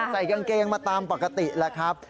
ใส่กางเกงมาตามปกติแหละครับ